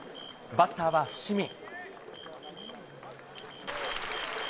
バッターは伏見。